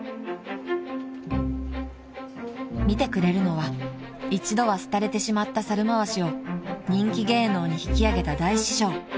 ［見てくれるのは一度は廃れてしまった猿まわしを人気芸能に引きあげた大師匠村